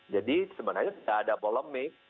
jadi sebenarnya tidak ada polemik